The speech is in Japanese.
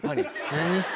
何？